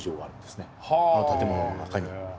あの建物の中に。